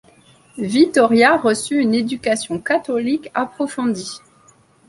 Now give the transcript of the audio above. Vittoria reçut une éducation catholique approfondie.